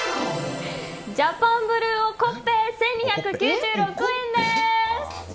ジャパンブルーおこっぺ１２９６円です。